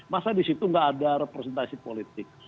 masa di situ nggak ada representasi politik